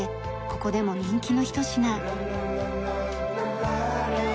ここでも人気のひと品。